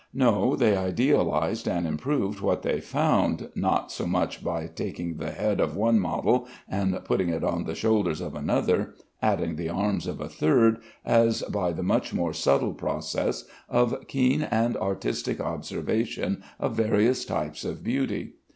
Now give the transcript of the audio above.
No; they idealized and improved what they found, not so much by taking the head of one model and putting it on the shoulders of another, adding the arms of a third, as by the much more subtle process of keen and artistic observation of various types of beauty.